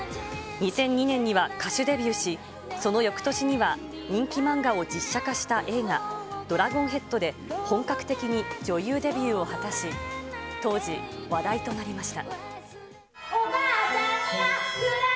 ２００２年には歌手デビューし、そのよくとしには人気漫画を実写化した映画、ドラゴンヘッドで本格的に女優デビューを果たし、当時、話題となりました。